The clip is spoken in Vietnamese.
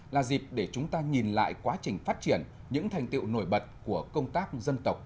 là dịp để chúng ta nhìn lại quá trình phát triển những thành tiệu nổi bật của công tác dân tộc